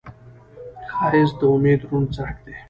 ښایست د امید روڼ څرک دی